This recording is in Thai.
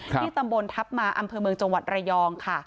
ที่ตำบลทัพมาอำเภอเมืองจังหวัดระยองค่ะ